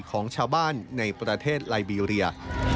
ของชาวบ้านในประเทศไลบีเรีย